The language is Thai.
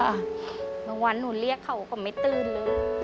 อ่ะเมื่อวานหนูเรียกเขาก็ไม่ตื่นเลย